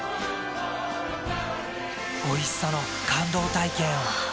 おいしさの感動体験を。